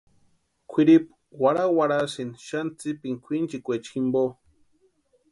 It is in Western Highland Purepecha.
Kwʼiripu warhawarhasïnti xani tsipini kwʼinchikwaecha jimpo.